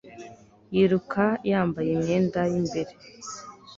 yiruka yambaye imyenda y'imbere